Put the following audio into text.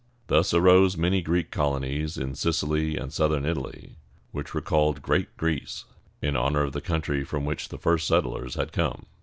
Thus arose many Greek colonies in Sicily and southern Italy, which were called Great Greece, in honor of the country from which the first settlers had come.